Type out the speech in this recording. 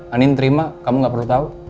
andin terima kamu enggak perlu tahu